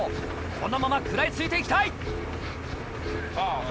このまま食らい付いて行きたい。